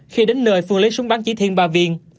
khi đến nơi phương lấy súng bắn chỉ thiên ba viên